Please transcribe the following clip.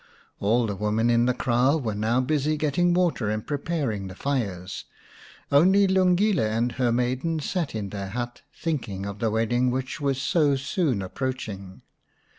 All the women in the kraal were now busy getting water and preparing the fires ; only Lungile and her maidens sat in their hut, thinking of the wedding which was so soon approaching.